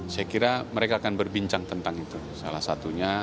saya kira mereka akan berbincang tentang itu salah satunya